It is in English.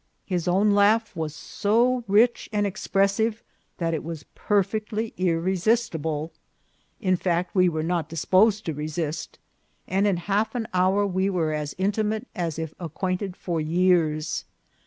His own laugh was so rich and expressive that it was perfectly irresistible. In fact, we were not disposed to resist, and in half an hour we were as intimate as if acquainted for years.